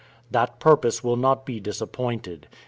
That purpose will not be disappointed.